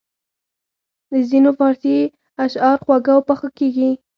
د ځینو فارسي اشعار خواږه او پاخه لګیږي.